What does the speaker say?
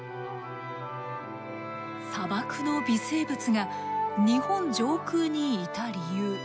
砂漠の微生物が日本上空にいた理由。